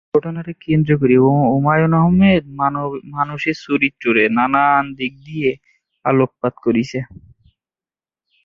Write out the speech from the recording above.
এই ঘটনাকে ঘিরে হুমায়ূন আহমেদ মানব চরিত্রের নানা দিকের ওপর আলোকপাত করেছেন।